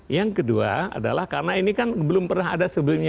yang kedua adalah karena ini kan belum pernah ada sebelumnya